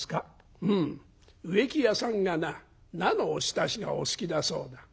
「うん植木屋さんがな菜のおひたしがお好きだそうだ。